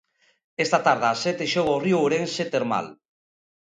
Esta tarde ás sete, xoga o Río Ourense Termal.